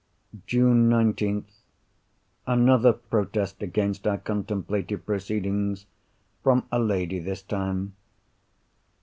June 19th.—Another protest against our contemplated proceedings! From a lady this time.